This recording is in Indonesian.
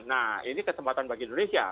nah ini kesempatan bagi indonesia